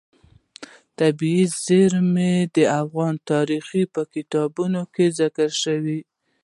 طبیعي زیرمې د افغان تاریخ په کتابونو کې ذکر شوی دي.